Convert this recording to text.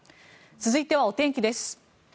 続いてはお天気です。